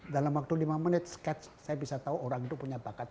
dalam waktu lima menit sketch saya bisa tahu orang itu punya bakat